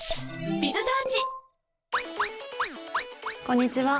こんにちは。